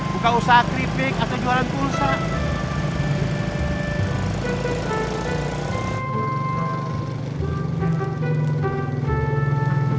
buka usaha keripik atau jualan pulsa